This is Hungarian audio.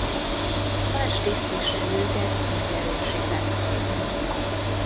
Más tisztviselők ezt megerősítették.